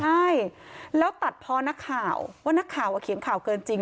ใช่แล้วตัดพอนักข่าวว่านักข่าวเขียนข่าวเกินจริง